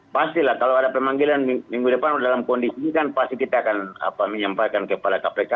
pastilah kalau ada pemanggilan minggu depan dalam kondisi ini kan pasti kita akan menyampaikan kepada kpk